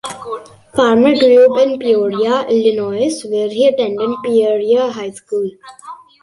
Farmer grew up in Peoria, Illinois, where he attended Peoria High School.